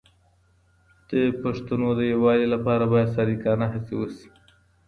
د پښتنو د یووالي لپاره باید صادقانه هڅې وشي.